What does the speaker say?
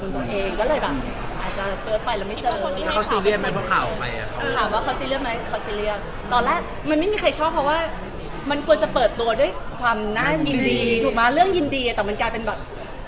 ถามว่าเขาซีเรียสไหมเขาซีเรียสตอนแรกมันไม่มีใครชอบเพราะว่ามันควรจะเปิดตัวด้วยความน่ายินดีถูกมั้ยเรื่องยินดีอะแต่มันกลายเป็นแบบ